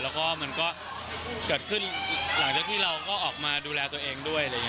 แล้วก็มันก็เกิดขึ้นหลังจากที่เราก็ออกมาดูแลตัวเองด้วยอะไรอย่างนี้